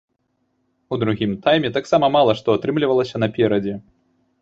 У другім тайме таксама мала што атрымлівалася наперадзе.